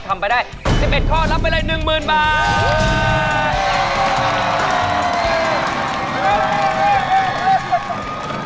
ทำไปได้๑๑ข้อรับไปเลย๑๐๐๐บาท